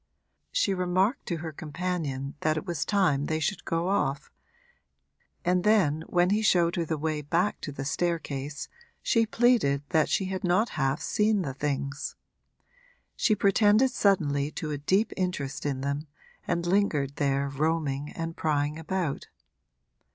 She remarked to her companion that it was time they should go off, and then when he showed her the way back to the staircase she pleaded that she had not half seen the things. She pretended suddenly to a deep interest in them, and lingered there roaming and prying about.